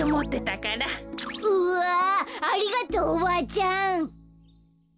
うわありがとうおばあちゃん。